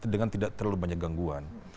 dengan tidak terlalu banyak gangguan